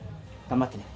頑張ってね。